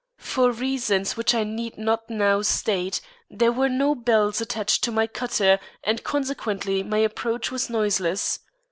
For reasons which I need not now state, there were no bells attached to my cutter and consequently my approach was noiseless.